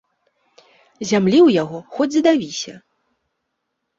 Зямлі ў яго хоць задавіся.